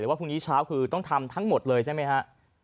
ว่าพรุ่งนี้เช้าคือต้องทำทั้งหมดเลยใช่ไหมฮะ